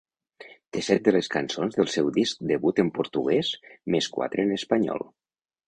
Té set de les cançons del seu disc debut en portuguès més quatre en espanyol.